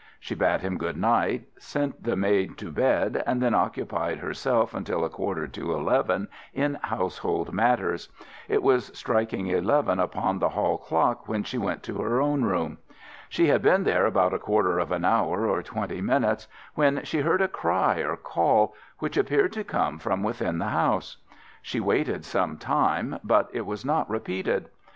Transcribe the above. She bade him good night, sent the maid to bed, and then occupied herself until a quarter to eleven in household matters. It was striking eleven upon the hall clock when she went to her own room. She had been there about a quarter of an hour or twenty minutes when she heard a cry or call, which appeared to come from within the house. She waited some time, but it was not repeated.